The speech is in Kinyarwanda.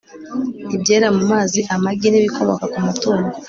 ibyera mu mazi, amagi n'ibikomoka ku matungo